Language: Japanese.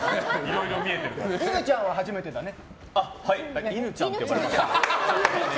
犬ちゃんは初めてだよね。